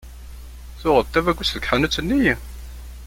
Tuɣeḍ-d tabagust deg tḥanut-nni?